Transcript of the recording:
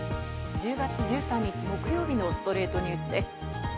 １０月１３日、木曜日の『ストレイトニュース』です。